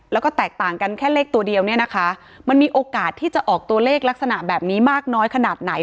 แล้วก็แตกต่างกันแค่เลขตัวเดียวเนี่ยนะคะมันมีโอกาสที่จะออกตัวเลขลักษณะแบบนี้มากน้อยขนาดไหน